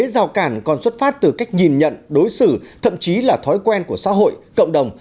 giao cản còn xuất phát từ cách nhìn nhận đối xử thậm chí là thói quen của xã hội cộng đồng